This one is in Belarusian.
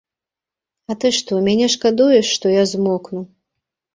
А ты што, мяне шкадуеш, што я змокну.